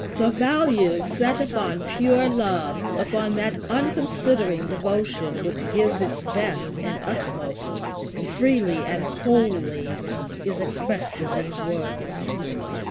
The value set upon pure love, upon that unconsidering devotion which gives its best and utmost freely and wholly, is expressed in these words.